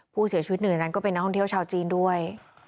ผู้เสียชีวิตหนึ่งในนั้นก็เป็นนักท่องเที่ยวชาวจีนด้วย